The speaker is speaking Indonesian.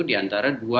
di antara dua bulan